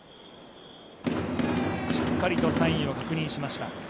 しっかりとサインを確認しました。